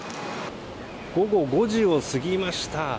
午後５時をすぎました。